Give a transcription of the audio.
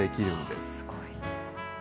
すごい。